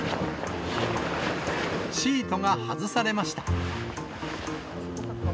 シートが外されました。